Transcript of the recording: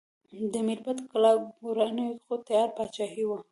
د میربت کلا ګورواني خو تیاره پاچاهي وه.